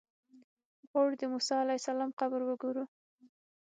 غواړو د موسی علیه السلام قبر وګورو.